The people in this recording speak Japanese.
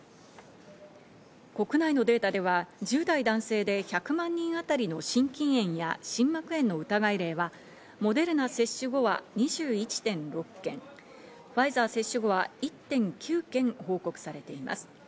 国内のデータでは１０代男性で１００万人あたりの心筋炎や心膜炎の疑い例はモデルナ接種後は２１．６件、ファイザー接種後は１．９件報告されています。